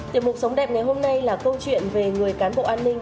tiếp mục sống đẹp ngày hôm nay là câu chuyện về người cán bộ an ninh